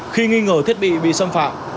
khi nghi ngờ thiết bị bị xâm phạm